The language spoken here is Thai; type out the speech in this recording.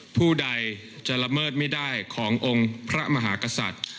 ผู้ใดจะละเมิดไม่ได้ขององค์พระมหากษัตริย์